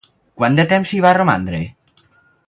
Quant de temps hi va romandre?